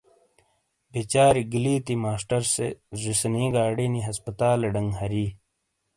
بِیچاری گلیتی ماسٹر سے زیسینی گاڑینی ہسپتالے ڈنگ ہری۔